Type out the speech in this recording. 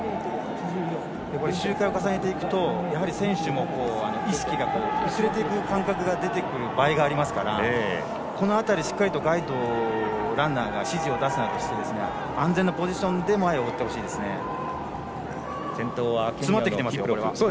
周回を重ねていくと選手も、意識が薄れていく感覚が出てくる場合もありますからこの辺り、しっかりとガイドランナーが指示を出すなどして安全なポジションで先頭はキプロプ。